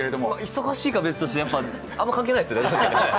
忙しいかは別として、あんまり関係ないですね。